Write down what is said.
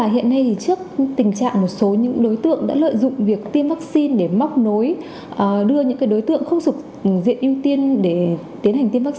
hãy đăng ký kênh để nhận thông tin nhất